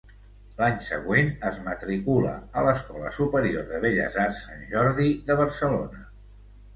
L’any següent es matricula a l’Escola Superior de Belles Arts Sant Jordi de Barcelona.